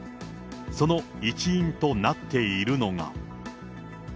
その一因となっているのが。